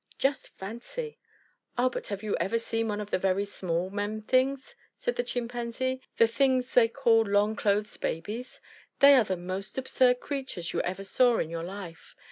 Just fancy!" "Ah, but have you ever seen one of the very small men things?" said the Chimpanzee. "The things they call 'long clothes babies'! They are the most absurd creatures you ever saw in your life.